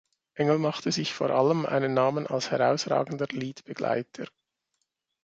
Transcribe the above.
Engel machte sich vor allem einen Namen als herausragender Liedbegleiter.